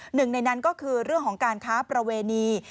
หนึ่งในนั้นก็คือเรื่องของการค้าประเวณี